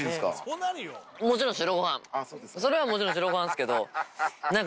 それはもちろん白ご飯っすけど。